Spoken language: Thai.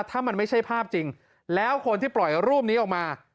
ถ้ามันไม่ใช่ภาพจริงแล้วคนที่ปล่อยรูปนี้ออกมา